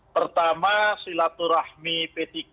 pertama silaturahmi p tiga